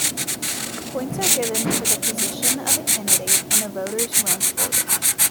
Points are given for the position of a candidate in a voter's rank order.